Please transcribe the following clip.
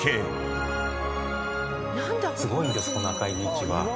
すごいんですこの赤いビーチは。